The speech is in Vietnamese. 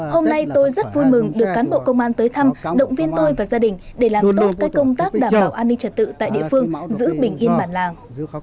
hôm nay tôi rất vui mừng được cán bộ công an tới thăm động viên tôi và gia đình để làm tốt các công tác đảm bảo an ninh trật tự tại địa phương giữ bình yên bản làng